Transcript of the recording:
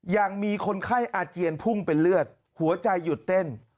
ยังมีคนไข้อาเจียนพุ่งเป็นเลือดหัวใจหยุดเต้น